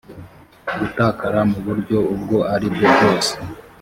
gutakara mu buryo ubwo ari bwo bwose